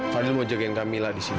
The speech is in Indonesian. fadil mau jagain kak mila disini